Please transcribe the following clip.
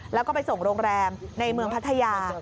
แล้วก็ไปส่งโรงแรมในเมืองพัทยา